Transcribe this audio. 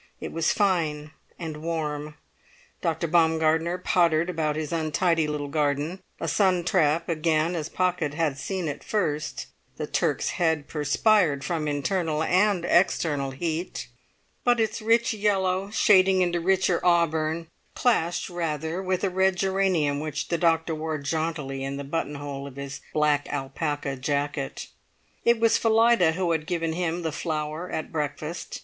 It was fine and warm. Dr. Baumgartner pottered about his untidy little garden, a sun trap again as Pocket had seen it first; the Turk's head perspired from internal and external heat, but its rich yellow, shading into richer auburn, clashed rather with a red geranium which the doctor wore jauntily in the button hole of his black alpaca jacket. It was Phillida who had given him the flower at breakfast.